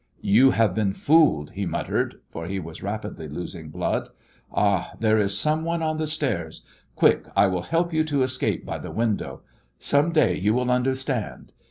"You have been fooled," he muttered, for he was rapidly losing blood. "Ah, there is some one on the stairs. Quick, I will help you to escape by the window. Some day you will understand.